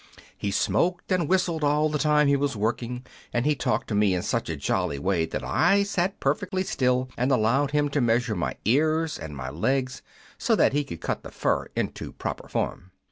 He smoked and whistled all the time he was working, and he talked to me in such a jolly way that I sat perfectly still and allowed him to measure my ears and my legs so that he could cut the fur into the proper form.